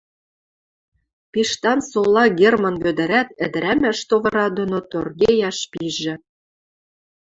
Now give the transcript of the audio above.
Пиштан сола Герман Вӧдӹрӓт ӹдӹрӓмӓш товыра доно торгейӓш пижӹ.